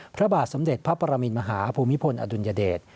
พระบาทสมเด็จพระปรมินมหาภูมิพลอดุลยเดช